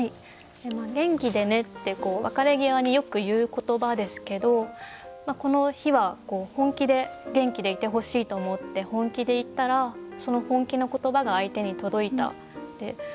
「元気でね」って別れ際によく言う言葉ですけどこの日は本気で元気でいてほしいと思って本気で言ったらその本気の言葉が相手に届いた。